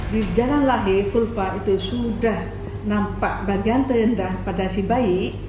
di jalan lahir vulpa itu sudah nampak bagian terendah pada si bayi